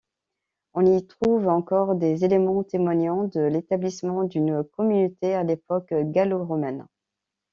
On y trouve encore des éléments témoignant de l'établissement d'une communauté à l'époque gallo-romaine.